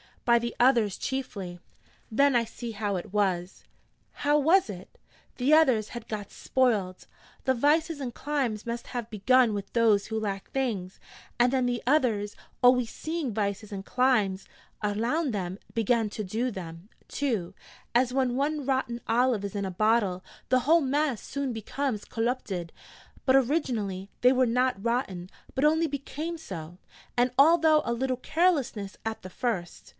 'By the others chiefly.' 'Then I see how it was!' 'How was it?' 'The others had got spoiled. The vices and climes must have begun with those who lacked things, and then the others, always seeing vices and climes alound them, began to do them, too as when one rotten olive is in a bottle, the whole mass soon becomes collupted: but originally they were not rotten, but only became so. And all though a little carelessness at the first.